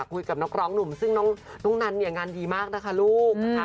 คุยกับนักร้องหนุ่มซึ่งน้องนันเนี่ยงานดีมากนะคะลูกนะคะ